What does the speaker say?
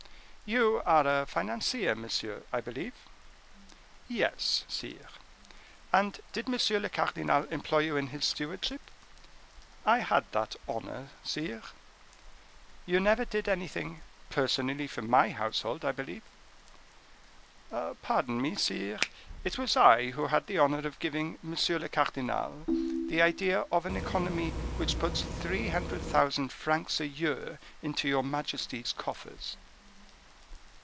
"You are a financier, monsieur, I believe?" "Yes, sire." "And did monsieur le cardinal employ you in his stewardship?" "I had that honor, sire." "You never did anything personally for my household, I believe?" "Pardon me, sire, it was I who had the honor of giving monsieur le cardinal the idea of an economy which puts three hundred thousand francs a year into your majesty's coffers."